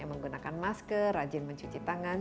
yang menggunakan masker rajin mencuci tangan